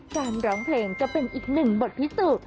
จ้านร้องเพลงก็เป็นอีกหนึ่งบทพิสูญ